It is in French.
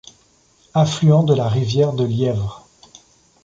Affluent de la rivière de l’Yèvre.